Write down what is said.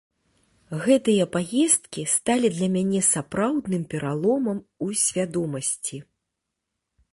Гэтыя паездкі сталі для мяне сапраўдным пераломам у свядомасці.